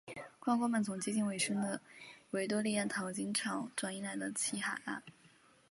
矿工们从接近尾声的维多利亚淘金潮转移来到西海岸。